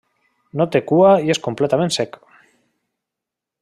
No té cua i és completament cec.